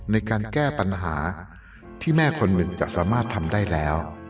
ในการแก้ปัญหาที่แม่คนหนึ่งจะสามารถทำได้แล้ว